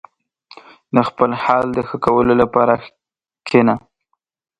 • د خپل حال د ښه کولو لپاره کښېنه.